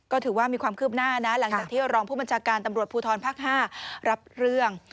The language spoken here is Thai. ก็ถือว่ามีความคืบหน้านะหลังจากที่รองผู้บัญชาการตำรวจภูทรภาค๕รับเรื่อง